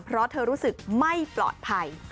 เพราะเธอรู้สึกไม่ปลอดภัย